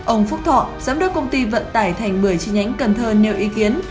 ông phúc thọ giám đốc công ty vận tải thành một mươi chi nhánh cần thơ nêu ý kiến